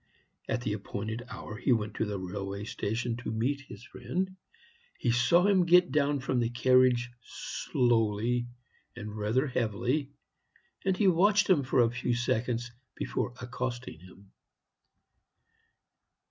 At the appointed hour he went to the railway station to meet his friend. He saw him get down from the carriage slowly, and rather heavily, and he watched him for a few seconds before accosting him.